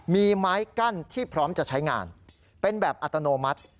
มีไม้กั้นที่พร้อมจะใช้งานเป็นแบบอัตโนมัติ